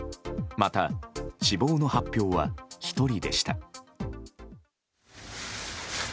また、死亡の発表は１人でした。